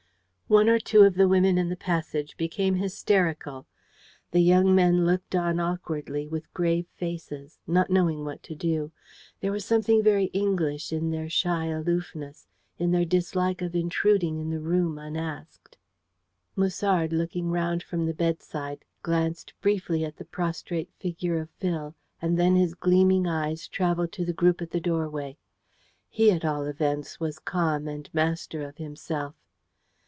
One or two of the women in the passage became hysterical. The young men looked on awkwardly, with grave faces, not knowing what to do. There was something very English in their shy aloofness; in their dislike of intruding in the room unasked. Musard, looking round from the bedside, glanced briefly at the prostrate figure of Phil, and then his gleaming eyes travelled to the group at the doorway. He, at all events, was calm, and master of himself.